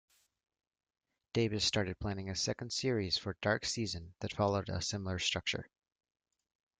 Davies started planning a second series for "Dark Season" that followed a similar structure.